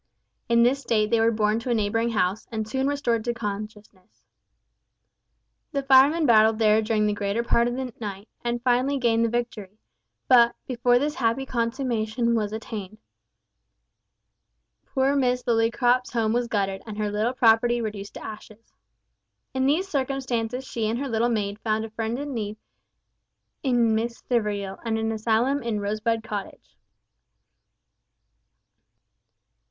In this state they were borne to a neighbouring house, and soon restored to consciousness. The firemen battled there during the greater part of that night, and finally gained the victory; but, before this happy consummation was attained, poor Miss Lillycrop's home was gutted and her little property reduced to ashes. In these circumstances she and her little maid found a friend in need in Miss Stivergill, and an asylum in Rosebud Cottage.